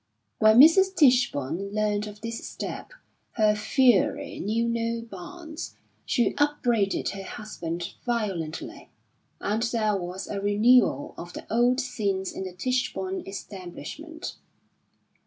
When Mrs. Tichborne learned of this step, her fury knew no bounds. She upbraided her husband violently; and there was a renewal of the old scenes in the Tichborne establishment.